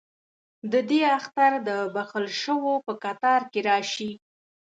ددې اختر دبخښل شووپه کتار کې راشي